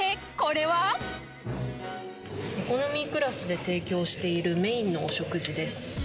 エコノミークラスで提供しているメインのお食事です。